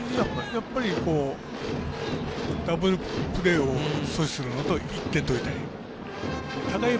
やっぱりダブルプレーを阻止するのと１点取りたい。